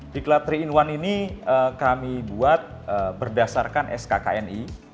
diklat tiga in satu ini kami buat berdasarkan skkni